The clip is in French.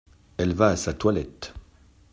Elle va à sa toilette.